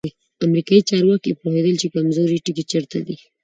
امریکایي چارواکي پوهېدل چې کمزوری ټکی چیرته دی.